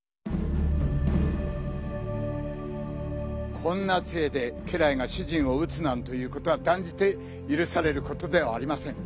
こんな杖で家来が主人を打つということはだんじてゆるされることではありません。